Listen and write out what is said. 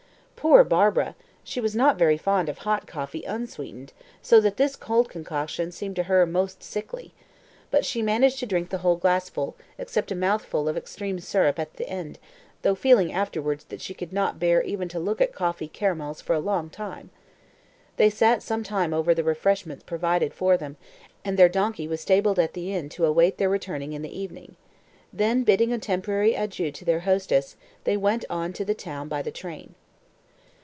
Poor Barbara! She was not very fond of hot coffee _un_sweetened, so that this cold concoction seemed to her most sickly. But she managed to drink the whole glassful, except a mouthful of extreme syrup at the end, though feeling afterwards that she could not bear even to look at coffee caramels for a very long time. They sat some time over the refreshments provided for them, and their donkey was stabled at the inn to await their return in the evening. Then bidding a temporary adieu to their hostess, they went on to the town by train.